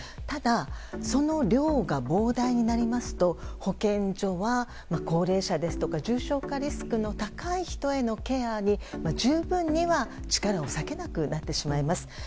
ただ、その量が膨大になりますと保健所は高齢者ですとか重症化リスクの高い人へのケアに十分には力を割けなくなってしまいます。